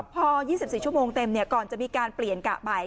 พอ๒๔ชั่วโมงเต็มก่อนจะมีการเปลี่ยนกะไป